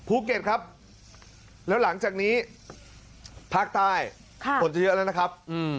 ภูเก็ตครับแล้วหลังจากนี้ภาคใต้ฝนจะเยอะแล้วนะครับ